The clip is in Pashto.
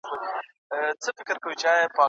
اوس پر سد سومه هوښیار سوم سر پر سر يې ورکومه